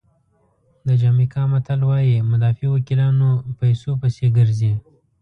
د جمیکا متل وایي مدافع وکیلان پیسو پسې ګرځي.